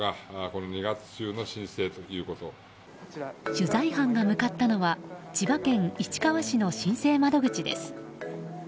取材班が向かったのは千葉県市川市の申請窓口です。